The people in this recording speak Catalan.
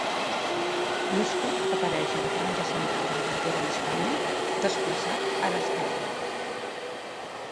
L'escut apareix a la franja central de la bandera d'Espanya, desplaçat a l'esquerra.